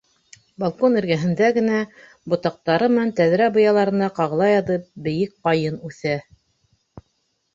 Балкон эргәһендә генә, ботаҡтары менән тәҙрә быялаларына ҡағыла яҙып, бейек ҡайын үҫә.